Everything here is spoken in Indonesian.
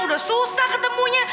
udah susah ketemunya